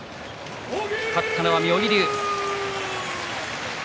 勝ったのは妙義龍。